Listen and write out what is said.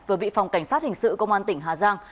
vừa bị phòng cảnh sát hình sự công an tỉnh hà giang